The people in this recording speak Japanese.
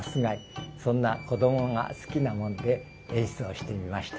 そんな子どもが好きなもんで演出をしてみました。